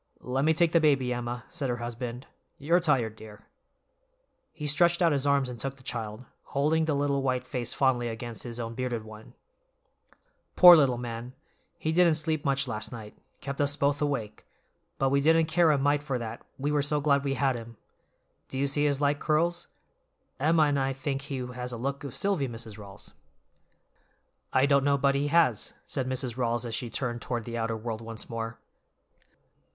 "Let me take the baby, Emma," said her husband, "you're tired, dear." He stretched out his arms and took the child, holding the little white face fondly against his own bearded one. "Poor little man, he didn't sleep much last night; kept us both awake; but we didn't care a mite for that, we were so glad we had him. Do you see his light curls? Emma and I think he has a look of Silvy, Mrs. Rawls." "I don't know but he has," said Mrs. Rawls as she turned toward the outer world once more.